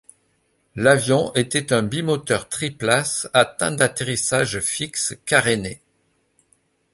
L'avion était un bimoteur triplace à train d'atterrissage fixe caréné.